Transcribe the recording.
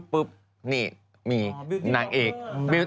ปุ๊บนี่มีนางเอก